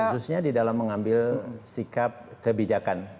khususnya di dalam mengambil sikap kebijakan